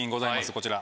こちら。